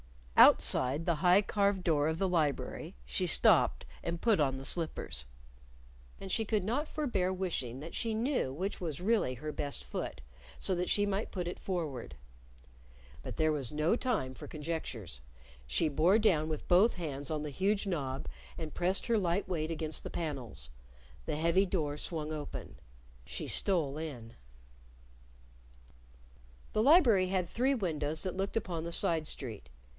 Outside the high carved door of the library she stopped and put on the slippers. And she could not forbear wishing that she knew which was really her best foot, so that she might put it forward. But there was no time for conjectures. She bore down with both hands on the huge knob, and pressed her light weight against the panels. The heavy door swung open. She stole in. The library had three windows that looked upon the side street.